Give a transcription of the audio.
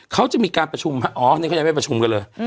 เขาจะมีการประชุมอ๋อนี่เขายังไม่ประชุมกันเลย